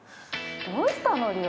どうしたの、亮？